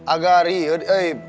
agak riuh eh